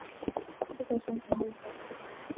就算幸福会消失